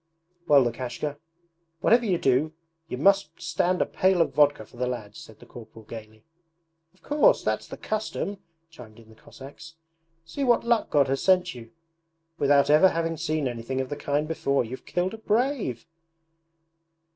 'Well, Lukashka, whatever you do you must stand a pail of vodka for the lads,' said the corporal gaily. 'Of course! That's the custom,' chimed in the Cossacks. 'See what luck God has sent you! Without ever having seen anything of the kind before, you've killed a brave!'